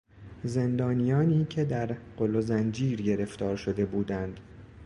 زندانیانی که در قل و زنجیر گرفتار شده بودند